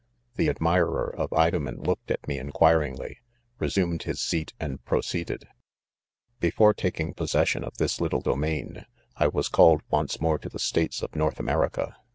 The admirer of Idonien looked at me enquiringly, resumed .his seat and proceeded: Before taking possession of this little do main, I was called once more to the States of North America.